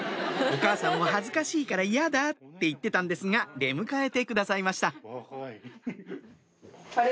お母さんも「恥ずかしいからイヤだ」って言ってたんですが出迎えてくださいました晴。